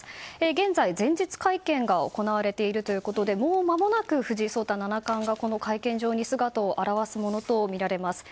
現在、前日会見が行われているということでもうまもなく藤井聡太七冠がこの会見場に姿を現すものとみられます。